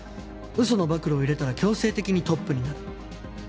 嘘の暴露を入れたら強制的にトップになる。